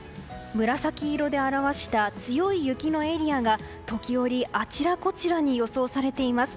紫色で表した強い雪のエリアが時折あちらこちらに予想されます。